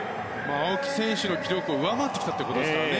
青木選手の記録を上回ってきたということですからね。